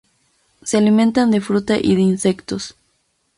Se alimentan de fruta y de insectos.